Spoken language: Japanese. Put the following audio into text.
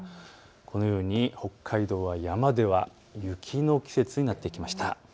このように北海道は山では雪の季節になってきました。